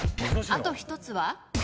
あと１つは？